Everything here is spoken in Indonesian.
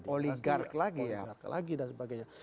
oligark lagi dan sebagainya